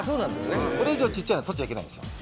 これ以上小さいのはとっちゃいけないんですよ。